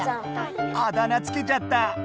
あだ名つけちゃった！